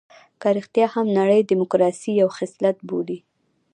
که رښتيا هم نړۍ ډيموکراسي یو خصلت بولي.